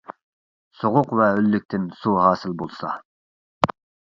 سوغۇق ۋە ھۆللۈكتىن سۇ ھاسىل بولسا.